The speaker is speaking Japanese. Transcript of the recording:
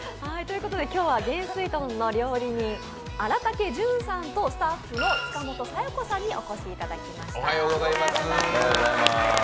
今日は幻水豚の料理人、荒竹潤さんとスタッフの塚本紗代子さんにお越しいただきました。